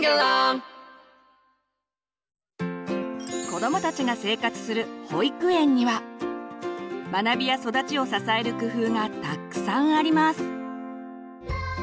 子どもたちが生活する保育園には学びや育ちを支える工夫がたくさんあります。